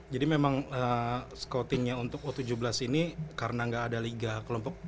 jadi memang scoutingnya untuk u tujuh belas ini karena gak ada liga kelompok umur